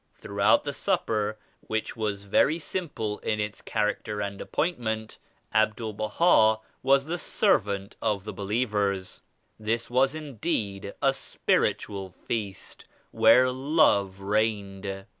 Throughout the supper which was very simple in its character and appointment, Abdul Baha was the Servant of the believers. This was indeed a spiritual feast where Love reigned.